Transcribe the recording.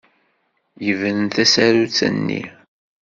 Yebren tasarut-nni.